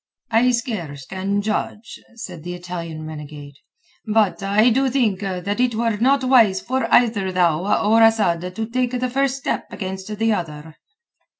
"I scarce can judge," said the Italian renegade. "But I do think that it were not wise for either thou or Asad to take the first step against the other."